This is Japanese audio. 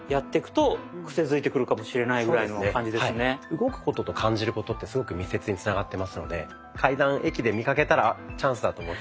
動くことと感じることってすごく密接につながってますので階段駅で見かけたらチャンスだと思って。